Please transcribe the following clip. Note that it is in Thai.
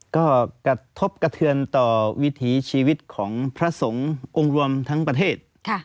ก็กระทบกระเทือนต่อวิถีชีวิตของพระสงฆ์องค์รวมทั้งประเทศ